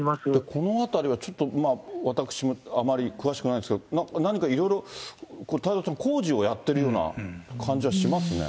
この辺りはちょっと、私もあまり詳しくないんですけれども、何かいろいろ太蔵ちゃん、工事をやっているような感じはしますね。